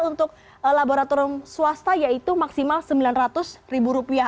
untuk laboratorium swasta yaitu maksimal sembilan ratus ribu rupiah